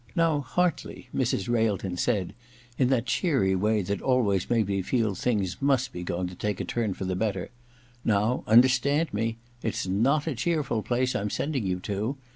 *Now, Hartley/ Mrs. Railton said, in that cheery way that always made me feel things must be going to take a turn for the better —' now understand me ; it's not a cheerful place I'm sending you to.